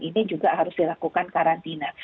ini juga harus dilakukan karantina